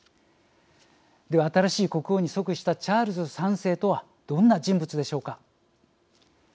では、新しい国王に即位したチャールズ３世とはどんな人物でしょうか。